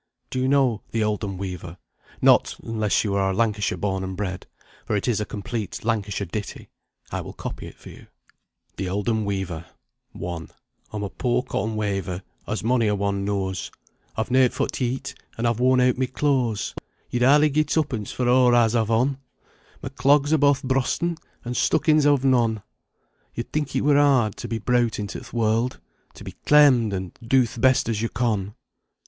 Do you know "The Oldham Weaver?" Not unless you are Lancashire born and bred, for it is a complete Lancashire ditty. I will copy it for you. THE OLDHAM WEAVER. I. Oi'm a poor cotton weyver, as mony a one knoowas, Oi've nowt for t' yeat, an' oi've woorn eawt my clooas, Yo'ad hardly gi' tuppence for aw as oi've on, My clogs are boath brosten, an' stuckins oi've none, Yo'd think it wur hard, To be browt into th' warld, To be clemmed, an' do th' best as yo con.